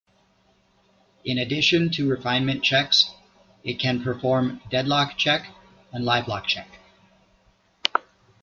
In addition to refinement checks, It can perform deadlock check and livelock check.